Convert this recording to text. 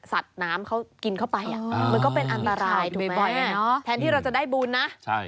สัตว์น้ำเขากินเข้าไปมันก็เป็นอันตรายถูกไหมแทนที่เราจะได้บุญนะใช่